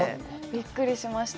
びっくりしました。